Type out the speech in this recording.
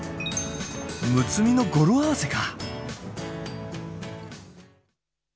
「むつみ」の語呂合わせか。